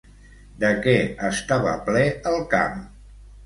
De què estava ple el camp?